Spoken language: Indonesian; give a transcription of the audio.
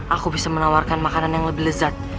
aku bisa menawarkan makanan yang lebih lezat